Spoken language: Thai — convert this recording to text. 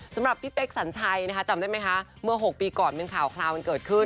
สำหรับพี่เป๊กสัญชัยนะคะจำได้ไหมคะเมื่อ๖ปีก่อนเป็นข่าวคราวกันเกิดขึ้น